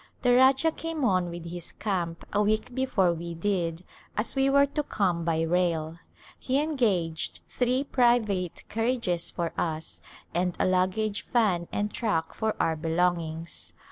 The Rajah came on with his camp a week before we did as we were to come by rail. He engaged three private carriages for us, and a luggage van and truck for our belongings.